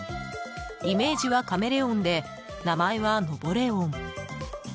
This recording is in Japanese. イメージはカメレオンで名前は、ノボレオン。